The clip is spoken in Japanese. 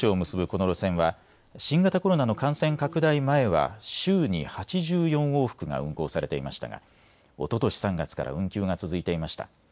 この路線は新型コロナの感染拡大前は週に８４往復が運航されていましたが、おととし３月から運休が続いていました。